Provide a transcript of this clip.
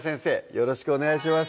よろしくお願いします